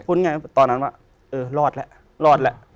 พูดง่ายตอนนั้นว่าเออรอดแล้วรอดแล้ว